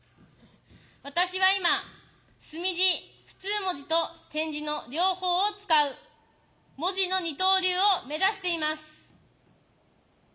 私は今墨字普通文字と点字の両方を使う文字の二刀流を目指しています。